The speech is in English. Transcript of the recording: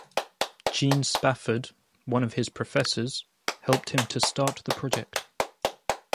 Gene Spafford, one of his professors, helped him to start the project.